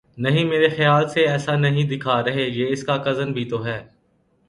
نہیں میرے خیال سے ایسا نہیں دکھا رہے یہ اس کا کزن بھی تو ہے